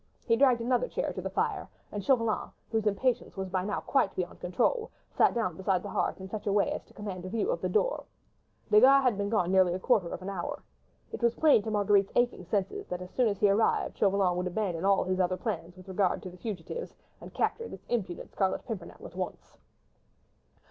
He dragged another chair to the fire, and Chauvelin, whose impatience was by now quite beyond control, sat down beside the hearth, in such a way as to command a view of the door. Desgas had been gone nearly a quarter of an hour. It was quite plain to Marguerite's aching senses that as soon as he arrived, Chauvelin would abandon all his other plans with regard to the fugitives, and capture this impudent Scarlet Pimpernel at once.